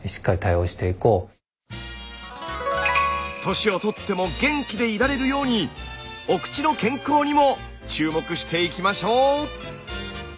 年を取っても元気でいられるようにお口の健康にも注目していきましょう！